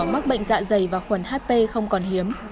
mắc bệnh dạ dày và khuẩn hp không còn hiếm